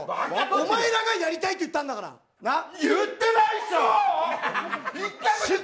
お前らがやりたいって言ったんだから、なっ？